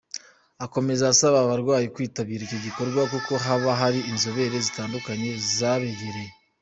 Akomeza asaba abarwaye kwitabira icyo gikorwa kuko haba hari inzobere zitandukanye zabegereye.